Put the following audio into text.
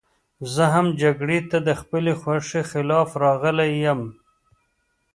زه هم جګړې ته د خپلې خوښې خلاف راغلی یم